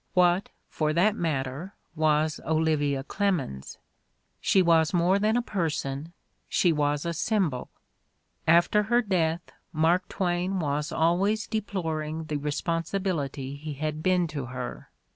"What, for that matter, was Olivia Clemens? She was more than a person, she was a symbol. After her death Mark Twain was always deploring the respon sibility he had been to her.